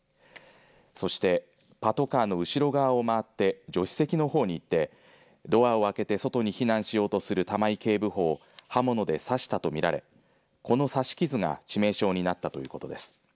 そしてパトカーの後ろ側を回って助手席の方に行ってドアを開けて外に避難しようとする玉井警部補を刃物で刺したとみられこの刺し傷が致命傷になったということです。